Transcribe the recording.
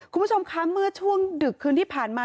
คุณผู้ชมคะเมื่อช่วงดึกคืนที่ผ่านมา